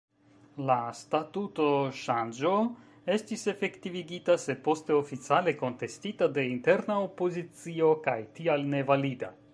La statutoŝanĝo estis efektivigita, sed poste oficiale kontestita de interna opozicio, kaj tial nevalida.